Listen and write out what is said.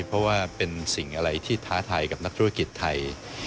เพราะว่าเป็นสิ่งอะไรที่ท้าทายกับนักธุรกิจไทย